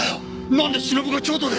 なんで忍が京都で。